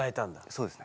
そうですね。